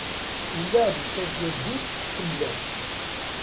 Ula d tajadit tkemmel-as.